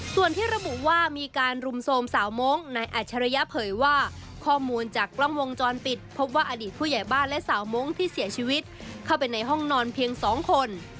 ส่วนที่ระบุว่ามีการรุมโทรมสาวมงค์นายอัจฉริยะเผยว่าข้อมูลจากกล้องวงจรปิดพบว่าอดีตผู้ใหญ่บ้านและสาวมงค์ที่เสียชีวิตเข้าไปในห้องนอนเพียง๒คน